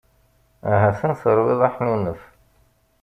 Ha-t-an terwiḍ aḥnunef.